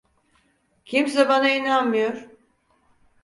Kimse bana inanmıyor.